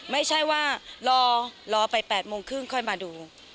ไม่ใช่ว่ารอไป๘โมงครึ่งค่อยมาดู